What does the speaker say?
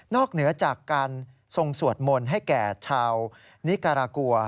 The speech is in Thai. เหนือจากการทรงสวดมนต์ให้แก่ชาวนิการากัว